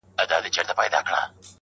• حقیقت واوره تر تا دي سم قربانه..